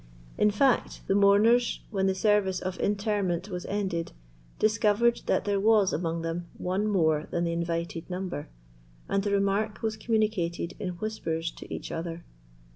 In fact, the mourners, when the service of interment was ended, discovered that there was among them one more than the invited number, and the remark was communicated in whispers to each other.